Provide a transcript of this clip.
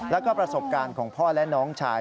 แล้วก็ประสบการณ์ของพ่อและน้องชาย